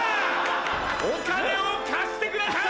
お金を貸してください！